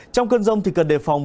trong cơn rông thì cần đề phòng